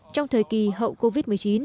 trong thời kỳ hậu covid một mươi chín